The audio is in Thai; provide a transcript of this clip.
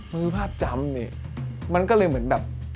มือภาพจำเนี่ยมันก็เลยเหมือนแบบ